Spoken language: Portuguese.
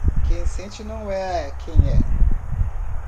Quem sente não é quem é